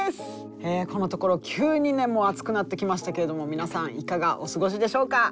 このところ急にね暑くなってきましたけれども皆さんいかがお過ごしでしょうか。